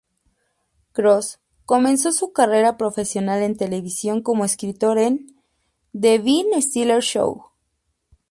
Cross comenzó su carrera profesional en televisión como escritor en "The Ben Stiller Show".